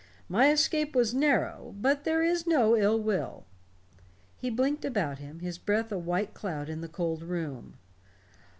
My escape was narrow, but there is no ill will." He blinked about him, his breath a white cloud in the cold room.